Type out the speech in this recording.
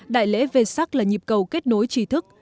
đại lễ về sắc là nhịp cầu kết nối trí thức